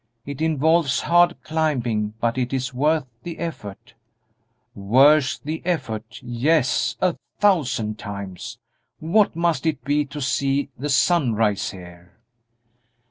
It involves hard climbing, but it is worth the effort." "Worth the effort! Yes, a thousand times! What must it be to see the sunrise here!"